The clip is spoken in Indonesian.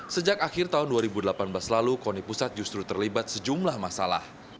sejak akhir tahun dua ribu delapan belas lalu koni pusat justru terlibat sejumlah masalah